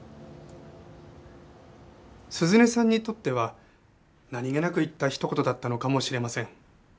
涼音さんにとっては何げなく言ったひと言だったのかもしれません。